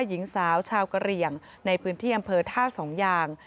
หญิงสาวชาวกะเหลี่ยงในพื้นที่อำเภอท่าสองยาง